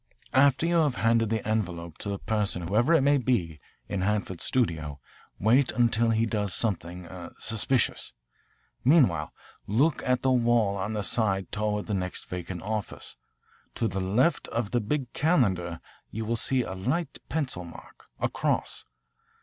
"After you have handed the envelope to the person, whoever it may be, in Hanford's studio, wait until he does something er suspicious. Meanwhile look at the wall on the side toward the next vacant office. To the left of the big calendar you will see a light pencil mark, a cross.